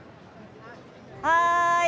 はい！